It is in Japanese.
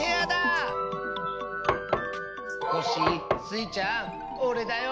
コッシースイちゃんおれだよ。